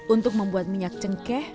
untuk membuat minyak cengkeh